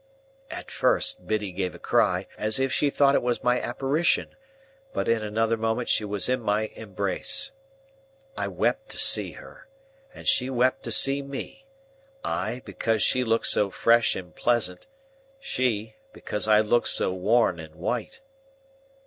At first Biddy gave a cry, as if she thought it was my apparition, but in another moment she was in my embrace. I wept to see her, and she wept to see me; I, because she looked so fresh and pleasant; she, because I looked so worn and white.